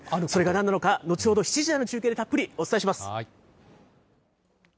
それがなんなのか、後ほど、７時台の中継でたっぷりお伝えします。